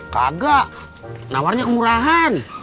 kagak nawarnya kemurahan